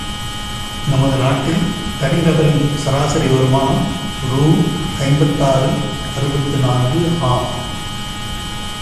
நமது நாட்டில் தனிநபரின் சராசரி வருமானம் ரூ. ஐம்பத்தாறு, அறுபத்து நான்கு ஆம்!